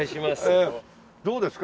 どうですか？